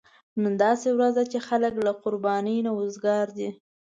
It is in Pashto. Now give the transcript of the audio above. نن داسې ورځ ده چې خلک له قربانۍ نه وزګار دي.